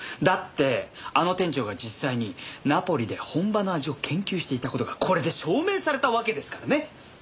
だってあの店長が実際にナポリで本場の味を研究していた事がこれで証明されたわけですからね。